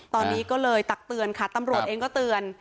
ตอนนี้ก็เลยตักเตือนค่ะตำรวจเองก็เตือน